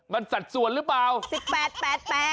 มันสัดส่วนหรือเปล่า